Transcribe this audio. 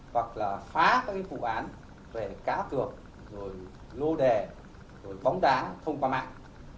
hoặc là phá các vụ án về cá cược rồi lô đè rồi bóng đá thông qua mạng